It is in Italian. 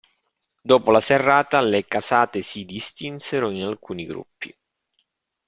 Dopo la Serrata, le casate si distinsero in alcuni gruppi.